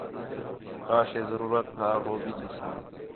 کا شے ضرورت ہا ہو بھی ݙیساں